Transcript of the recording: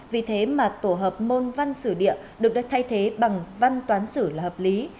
vì thế mà tổ hợp môn văn xử địa được thay thế bằng văn toán xử là hợp lý